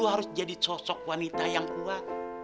harus jadi sosok wanita yang kuat